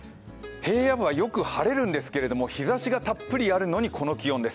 平野部はよく晴れるんですが日ざしはたっぷりあるのにこの気温です。